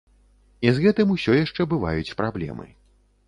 І з гэтым усё яшчэ бываюць праблемы.